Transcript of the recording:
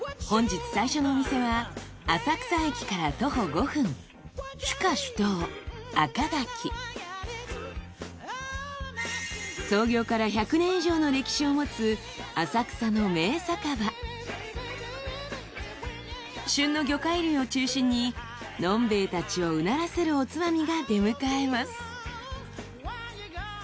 本日最初のお店は浅草駅から徒歩５分創業から旬の魚介類を中心に飲兵衛たちをうならせるおつまみが出迎えます。